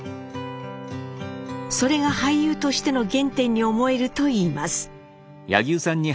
それが俳優としての原点に思えるといいます。